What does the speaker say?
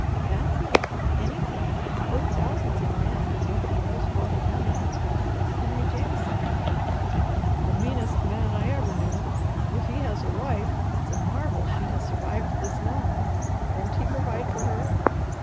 "Amply. Anything! Worth thousands in land and nobody knows what in money. It's Henry Jameson." "The meanest man I ever knew. If he has a wife it's a marvel she has survived this long. Won't he provide for her?"